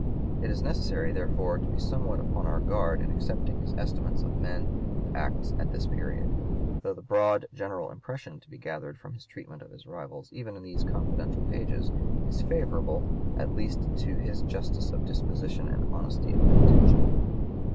It is (p. 151) necessary, therefore, to be somewhat upon our guard in accepting his estimates of men and acts at this period; though the broad general impression to be gathered from his treatment of his rivals, even in these confidential pages, is favorable at least to his justice of disposition and honesty of intention.